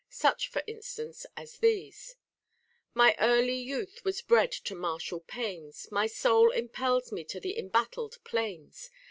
Such, for instance, as these :— My early youth was bred to martial pains, My soul impels me to the embattled plains